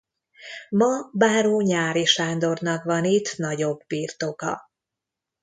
Ma báró Nyáry Sándornak van itt nagyobb birtoka.